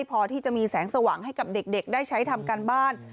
พอที่จะมีแสงสว่างให้กับเด็กได้ใช้ทำการบ้าน